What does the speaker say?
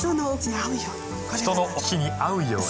人のお口に合うように。